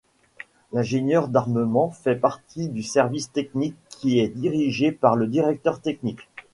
L'ingénieur d'armement fait partie du Service technique qui est dirigé par le Directeur technique.